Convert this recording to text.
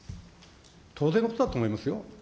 当然のことだと思いますよ。